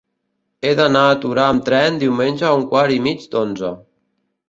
He d'anar a Torà amb tren diumenge a un quart i mig d'onze.